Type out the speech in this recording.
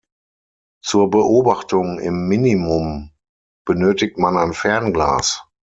Zur Beobachtung im Minimum benötigt man ein Fernglas.